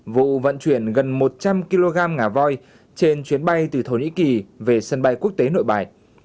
vụ vận chuyển gần một trăm linh kg ngà voi trên chuyến bay từ thổ nhĩ kỳ về sân bay quốc tế nội bài